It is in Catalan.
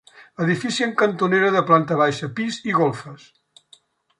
Edifici en cantonera de planta baixa, pis i golfes.